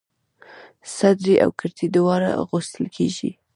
صدرۍ او کرتۍ دواړه اغوستل کيږي.